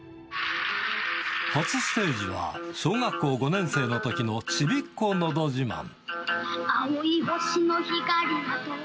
初ステージは小学校５年生のときのちびっこのどじまん。